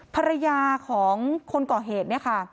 ภรรยาของคนก่อเหตุ